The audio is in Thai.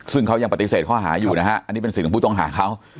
ซึ่งเขายังปฏิเสธข้อหาอยู่นะฮะอันนี้เป็นสิทธิ์ของผู้ต้องหาเขา